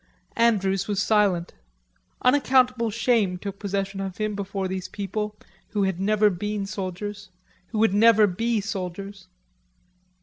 Andrews was silent. Unaccountable shame took possession of him before these people who had never been soldiers, who would never be soldiers.